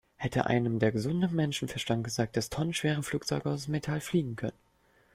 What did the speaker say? Hätte einem der gesunde Menschenverstand gesagt, dass tonnenschwere Flugzeuge aus Metall fliegen können?